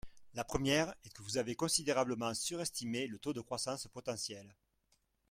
La première est que vous avez considérablement surestimé le taux de croissance potentielle.